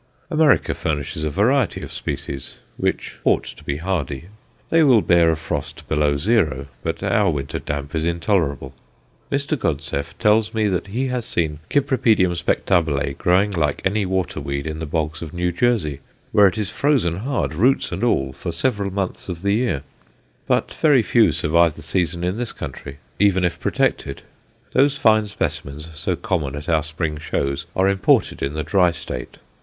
America furnishes a variety of species; which ought to be hardy. They will bear a frost below zero, but our winter damp is intolerable. Mr. Godseff tells me that he has seen C. spectabile growing like any water weed in the bogs of New Jersey, where it is frozen hard, roots and all, for several months of the year; but very few survive the season in this country, even if protected. Those fine specimens so common at our spring shows are imported in the dry state.